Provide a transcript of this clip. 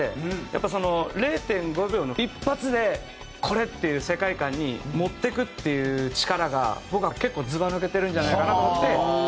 やっぱその０．５秒の一発でこれっていう世界観に持っていくっていう力が僕は結構ずば抜けてるんじゃないかなと思って。